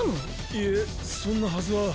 いえそんなはずは。